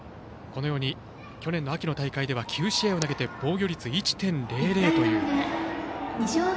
去年の秋の大会では９試合を投げて防御率１．００という。